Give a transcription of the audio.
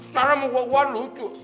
karena muka gue lucu